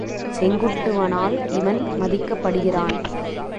செங்குட்டு வனால் இவன் மதிக்கப்படுகிறான்.